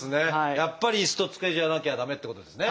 やっぱり椅子と机じゃなきゃ駄目ってことですね。